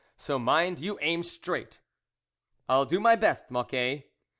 So, mind you aim straight." " I'll do my best, Mocquet."